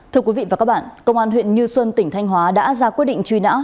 thưa quý vị và các bạn công an huyện như xuân tỉnh thanh hóa đã ra quyết định truy nã